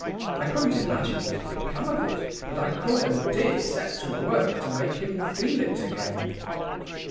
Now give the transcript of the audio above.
"I couldn't imagine what had become of it; but I could and did set to work to make him feel it again.